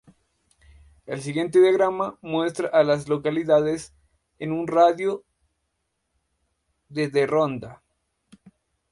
El siguiente diagrama muestra a las localidades en un radio de de Ronda.